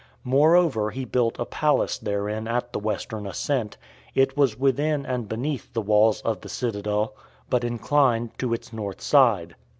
Moreover, he built a palace therein at the western ascent; it was within and beneath the walls of the citadel, but inclined to its north side.